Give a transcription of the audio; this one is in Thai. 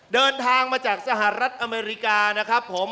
เดินทางมาจากสหรัฐอเมริกานะครับผม